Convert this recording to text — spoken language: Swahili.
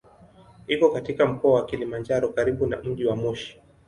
Iko katika Mkoa wa Kilimanjaro karibu na mji wa Moshi.